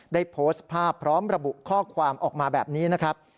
ได้โพสต์ภาพพร้อมระบุข้อความออกมาแบบนี้นะครับ